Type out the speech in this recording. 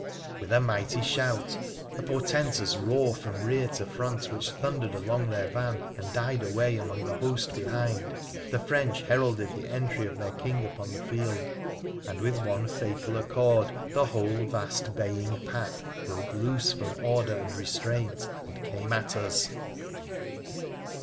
"With a mighty shout— a portentous roar from rear to front which thundered along their van and died away among the host behind — the French heralded the entry of their King upon the field, and, with one fatal accord, the whole vast baying pack broke loose from order and restraint and came at us.